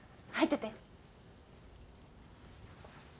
入ってて。